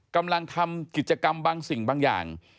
กำลังทำกิจกรรมบางสิ่งบางอย่าง